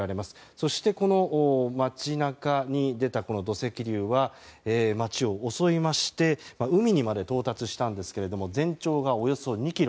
そして、街中に出た土石流は街を襲いまして海にまで到達したんですが全長がおよそ２ｋｍ。